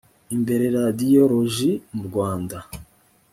imbere radiyoloji mu rwanda